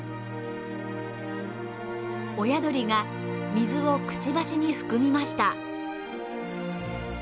親鳥が水をクチバシに含みました。